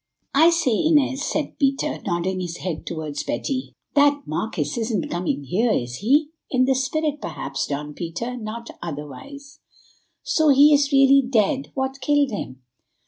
"I say, Inez," said Peter, nodding his head towards Betty, "that marquis isn't coming here, is he?" "In the spirit, perhaps, Don Peter, not otherwise." "So he is really dead? What killed him?"